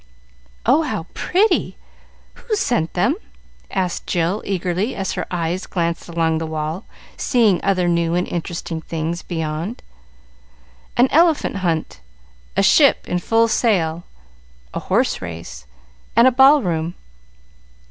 "Oh, how pretty! Who sent them?" asked Jill, eagerly, as her eye glanced along the wall, seeing other new and interesting things beyond: an elephant hunt, a ship in full sail, a horse race, and a ball room.